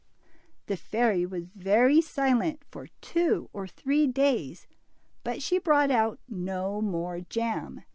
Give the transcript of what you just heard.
The fairy was very silent for two or three days, but she brought out no more jam.